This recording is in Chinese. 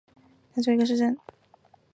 赖特韦因是德国勃兰登堡州的一个市镇。